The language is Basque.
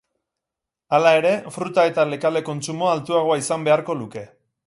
Hala ere, fruta eta lekale kontsumoa altuagoa izan beharko luke.